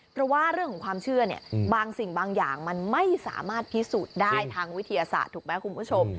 เพราะว่าเรื่องของความเชื่อเนี่ยบางสิ่งบางอย่างมันไม่สามารถพิสูจน์ได้ทางวิทยาศาสตร์ถูกไหมคุณผู้ชม